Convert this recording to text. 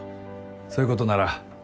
そういうことなら。